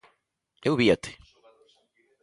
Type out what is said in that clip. Eu víate